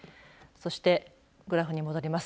そしてグラフに戻ります。